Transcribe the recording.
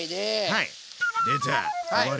はい。